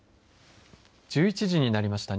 １１時になりました。